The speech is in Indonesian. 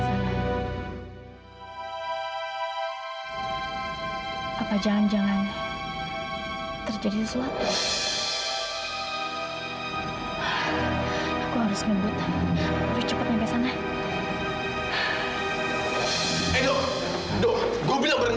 sampai jumpa di video selanjutnya